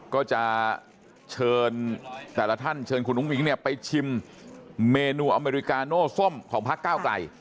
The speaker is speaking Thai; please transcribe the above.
ก็จะเชิญแต่ละท่านเชิญคุณอุ้งอิ๊งเนี่ยไปชิมเมนูอเมริกาโน้ส้มของพักเก้าไกล